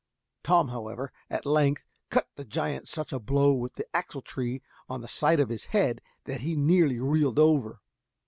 Tom, however, at length cut the giant such a blow with the axletree on the side of his head, that he nearly reeled over.